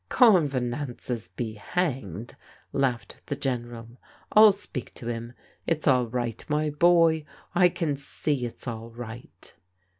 Convenances be hanged," laughed the General. " I'll speak to him. It's all right, my boy, I can see it's all right."